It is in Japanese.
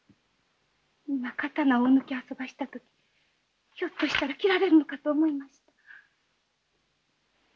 今刀をお抜きあそばした時ひょっとしたら斬られるのかと思いました。